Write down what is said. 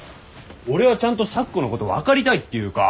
俺はちゃんと咲子のこと分かりたいっていうか。